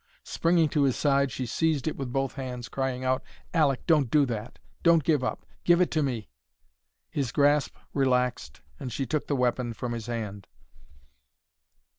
Springing to his side, she seized it with both hands, crying out, "Aleck, don't do that! Don't give up! Give it to me!" His grasp relaxed and she took the weapon from his hand.